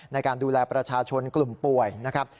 ในการดูแลประชาชนกลุ่มป่วยนะครับ